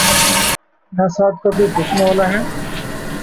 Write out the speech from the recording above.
نہ ساکھ کا کوئی پوچھنے والا ہے۔